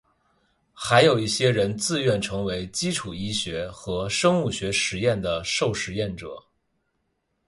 还有一些人自愿成为基础医学和生物学实验的受实验者。